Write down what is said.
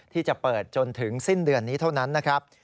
ที่จะเปิดจนถึงสิ้นเดือนนี้เท่านั้นนะครับ